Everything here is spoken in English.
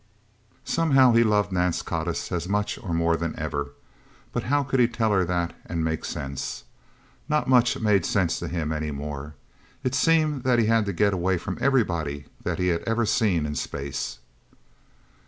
Somehow he loved Nance Codiss as much or more than ever. But how could he tell her that and make sense? Not much made sense to him anymore. It seemed that he had to get away from everybody that he had ever seen in space.